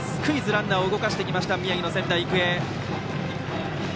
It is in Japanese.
ランナーを動かしてきました宮城の仙台育英。